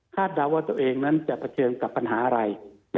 เดาว่าตัวเองนั้นจะเผชิญกับปัญหาอะไร